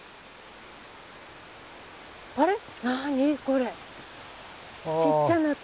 あれ？